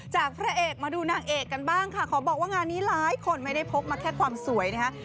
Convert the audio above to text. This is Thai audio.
พระเอกมาดูนางเอกกันบ้างค่ะขอบอกว่างานนี้หลายคนไม่ได้พกมาแค่ความสวยนะคะ